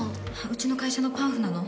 うちの会社のパンフなの。